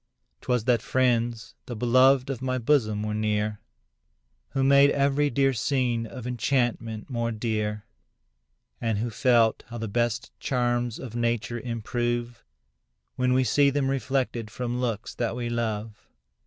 'Twas that friends, the beloved of my bosom, were near, Who made every dear scene of enchantment more dear, And who felt how the best charms of nature improve, When we see them reflected from looks that we love.